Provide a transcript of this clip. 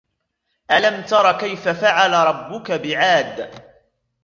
ألم تر كيف فعل ربك بعاد